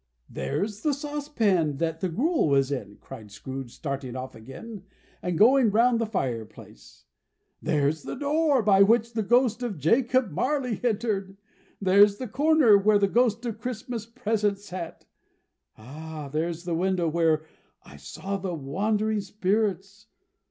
"There's the sauce pan that the gruel was in!" cried Scrooge, starting off again, and going round the fireplace. "There's the door by which the Ghost of Jacob Marley entered! There's the corner where the Ghost of Christmas Present sat! There's the window where I saw the wandering Spirits!